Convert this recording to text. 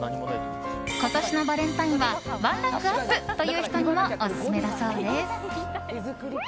今年のバレンタインはワンランクアップという人にもオススメだそうです。